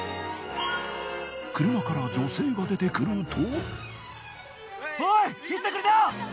車から女性が出てくると。